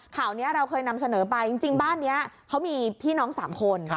ข่าวนี้เราเคยนำเสนอไปจริงบ้านนี้เขามีพี่น้อง๓คน